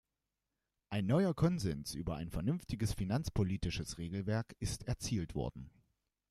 Ein neuer Konsens über ein vernünftiges finanzpolitisches Regelwerk ist erzielt worden.